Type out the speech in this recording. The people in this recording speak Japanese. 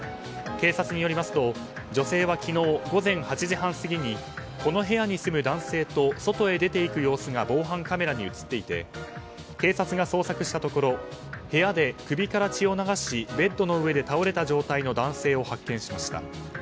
警察によりますと女性は、昨日午前８時半過ぎにこの部屋に住む男性と外へ出ていく様子が防犯カメラに映っていて警察が捜索したところ部屋で首から血を流しベッドの上で倒れた状態の男性を発見しました。